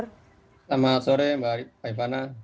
selamat sore mbak ipana